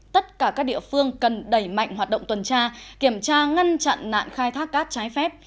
tất cả các địa phương cần đẩy mạnh hoạt động tuần tra kiểm tra ngăn chặn nạn khai thác cát trái phép